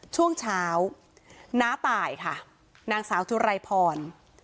ช่วงเช้าน้าตายค่ะนางสาวจุไรพร